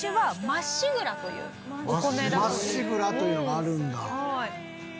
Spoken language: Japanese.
「まっしぐら」というのがあるんだ。